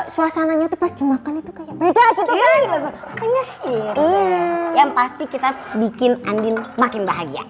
suasana itu pasti makan itu kayaknya sih yang pasti kita bikin andin makin bahagia